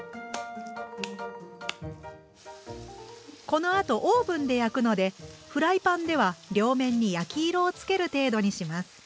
このあとオーブンで焼くのでフライパンでは両面に焼き色をつける程度にします。